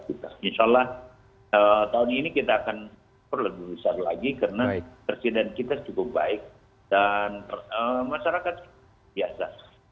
insya allah tahun ini kita akan lebih besar lagi karena presiden kita cukup baik dan masyarakat biasa